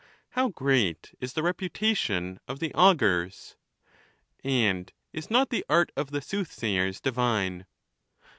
How great is the reputation of the augurs ! And is not the art of the soothsayers divine?